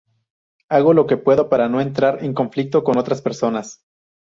hago lo que puedo para no entrar en conflicto con otras personas